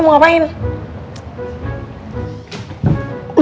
lo mau ngapain botol kecap